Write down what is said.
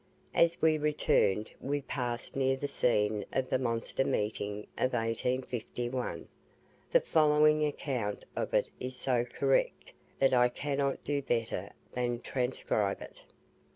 As we returned, we passed near the scene of the monster meeting of 1851. The following account of it is so correct, that I cannot do better than transcribe it.